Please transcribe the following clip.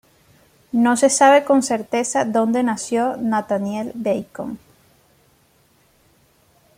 No se sabe con certeza donde nació Nathaniel Bacon.